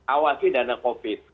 awasi dana covid